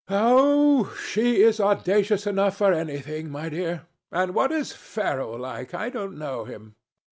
"Oh! she is audacious enough for anything, my dear. And what is Ferrol like? I don't know him."